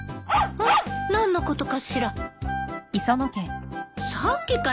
何のことかしら？